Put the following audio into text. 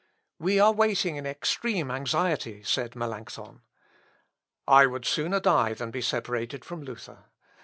"We are waiting in extreme anxiety," said Melancthon. "I would sooner die than be separated from Luther.